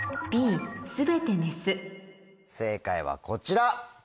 正解はこちら。